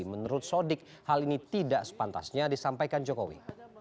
menurut sodik hal ini tidak sepantasnya disampaikan jokowi